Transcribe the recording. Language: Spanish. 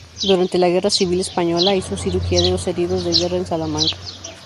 Durante la guerra civil española hizo cirugía de los heridos de guerra en Salamanca.